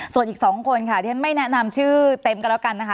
ส่วนอีก๒คนค่ะที่ฉันไม่แนะนำชื่อเต็มกันแล้วกันนะคะ